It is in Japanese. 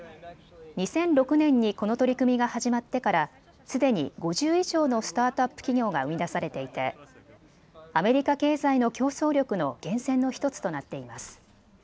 ２００６年にこの取り組みが始まってからすでに５０以上のスタートアップ企業が生み出されていてアメリカ経済の競争力の源泉の１つとなっています。